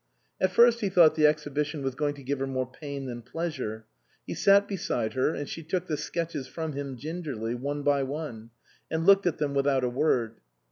At first he thought the exhibition was going to give her more pain than pleasure. He sat beside her, and she took the sketches from him gingerly, one by one, and looked at them without a word.